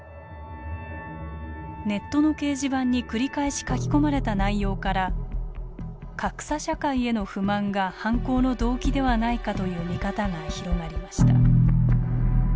ネットの掲示板に繰り返し書き込まれた内容から格差社会への不満が犯行の動機ではないかという見方が広がりました。